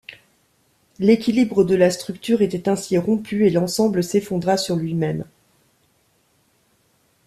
L'équilibre de la structure était ainsi rompu et l'ensemble s'effondra sur lui-même.